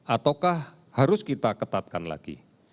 ataukah harus kita ketatkan lagi